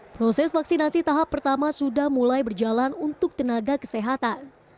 proses vaksinasi tahap pertama sudah mulai berjalan untuk tenaga kesehatan